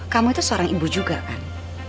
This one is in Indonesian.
kamu itu seorang ibu juga kan